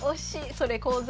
それ講座。